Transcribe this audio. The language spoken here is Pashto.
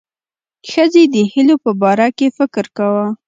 ښځې د هیلو په باره کې فکر کاوه.